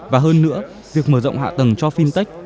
và hơn nữa việc mở rộng hạ tầng cho fintech